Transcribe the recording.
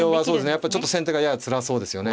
やっぱちょっと先手がややつらそうですよね。